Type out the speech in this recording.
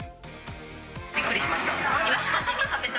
びっくりしました。